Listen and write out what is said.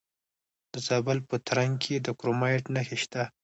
د زابل په ترنک کې د کرومایټ نښې شته.